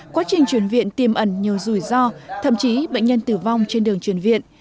quá trình chuyển viện tiêm ẩn nhiều rủi ro thậm chí bệnh nhân tử vong trên đường chuyển viện